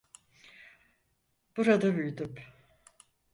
Burada büyüdüm.